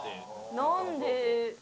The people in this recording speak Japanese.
何で？